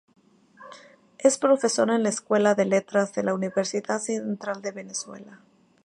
Es profesor en la Escuela de Letras de la Universidad Central de Venezuela.